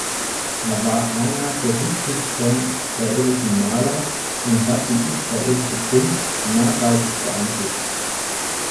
Er war einer der wichtigsten israelischen Maler und hat die israelische Kunst nachhaltig beeinflusst.